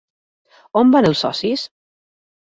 On van els socis?